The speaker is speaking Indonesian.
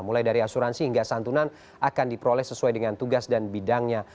mulai dari asuransi hingga santunan akan diperoleh sesuai dengan tugas dan bidangnya